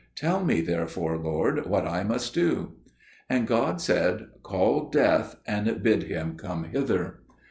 Tell me therefore, Lord, what I must do." And God said, "Call Death, and bid him come hither."